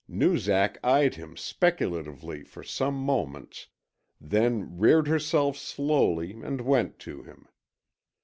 Noozak eyed him speculatively for some moments, then reared herself slowly and went to him.